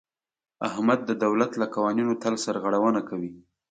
احمد د دولت له قوانینو تل سرغړونه کوي.